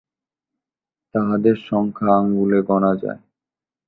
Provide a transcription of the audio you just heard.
তাহাদের সংখ্যা আঙুলে গণা যায়।